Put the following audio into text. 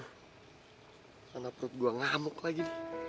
aduh kanan perut gue ngamuk lagi